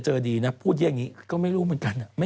จากกระแสของละครกรุเปสันนิวาสนะฮะ